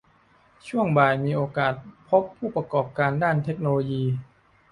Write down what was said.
ช่วงบ่ายมีโอกาสพบผู้ประกอบการด้านเทคโนโลยี